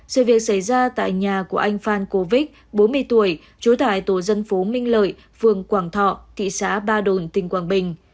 sự việc xảy ra tại nhà của anh phan cô vích bốn mươi tuổi trú tại tổ dân phố minh lợi phường quảng thọ thị xã ba đồn tỉnh quảng bình